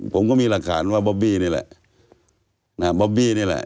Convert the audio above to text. ผมก็มีหลักขานว่าบอบบี้นี่แหละ